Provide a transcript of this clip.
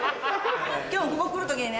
今日ここ来る時にね